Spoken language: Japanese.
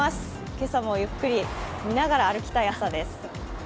今朝も、ゆっくり見ながら歩きたい朝です。